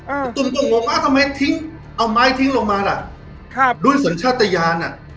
ตุ้มก็งงอ้าวทำไมทิ้งเอาไม้ทิ้งลงมาล่ะครับด้วยสัญชาติยานอ่ะ